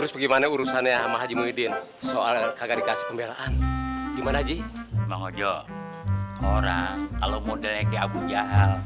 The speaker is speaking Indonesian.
bang ojo orang kalo modelnya kek abu jahal